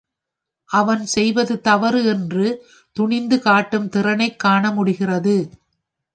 அவன் செய்வது தவறு என்று துணிந்து காட்டும் திறனைக் காண முடிகிறது.